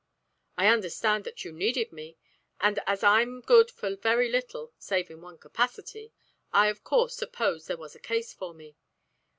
"I understand that you needed me, and as I'm good for very little, save in one capacity, I, of course, supposed there was a case for me.